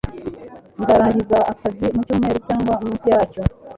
Nzarangiza akazi mu cyumweru cyangwa munsi yacyo.